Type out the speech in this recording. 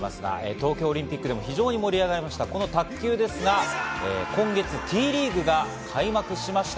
東京オリンピックでも非常に盛り上がりました卓球ですが、今月、Ｔリーグが開幕しました。